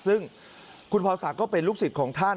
ซึ่งคุณพรศักดิ์ก็เป็นลูกศิษย์ของท่าน